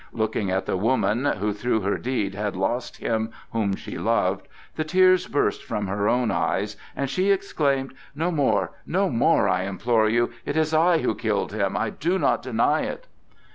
Looking at the woman who through her deed had lost him whom she loved, the tears burst from her own eyes, and she exclaimed: "No more! No more! I implore you. It is I who killed him; I do not deny it!"